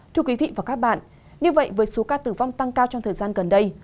thưa quý vị và các bạn như vậy với số ca tử vong tăng cao trong thời gian gần đây